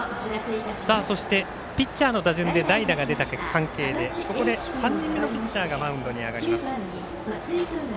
そしてピッチャーの打順で代打が出た関係でここで３人目のピッチャーがマウンドに上がります。